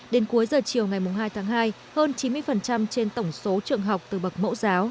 đến cuối giờ chiều ngày hai tháng hai hơn chín mươi trên tổng số trường học từ bậc mẫu giáo